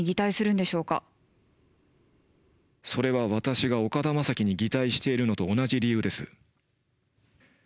それは私が岡田将生に擬態しているのと同じ理由です。